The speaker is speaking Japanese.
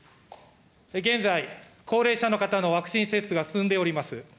現在、高齢者の方のワクチン接種が進んでおります。